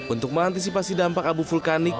untuk mengantisipasi dampak abu vulkanik